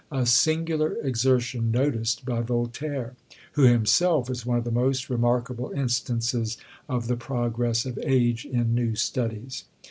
A singular exertion, noticed by Voltaire; who himself is one of the most remarkable instances of the progress of age in new studies.